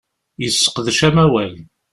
Yesseqdec amawal.